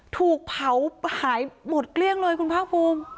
ถูกเผาหายหมดเกลี้ยงเลยคุณภาคภูมิ